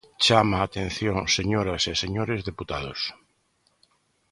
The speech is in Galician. Chama a atención, señoras e señores deputados.